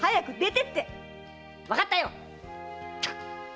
わかったよ！